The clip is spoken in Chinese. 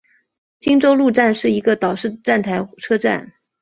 金周路站是一个岛式站台车站。